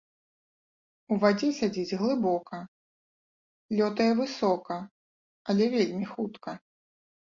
У вадзе сядзіць глыбока, лётае высока, але вельмі хутка.